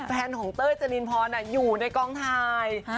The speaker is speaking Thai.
แฟนของเต้ยจรินพรอยู่ในกองถ่าย